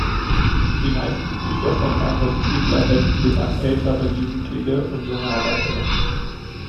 Die meisten Bücher von Reinhold Ziegler wenden sich an ältere Jugendliche und junge Erwachsene.